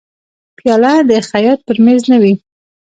پیاله د خیاط پر مېز نه وي.